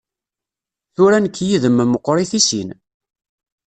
Tura nekk yid-m meqqrit i sin.